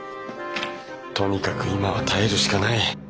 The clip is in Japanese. とにかく今は耐えるしかない。